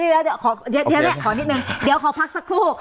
เดี๋ยวขอนิดนึงเดี๋ยวขอพักสักครู่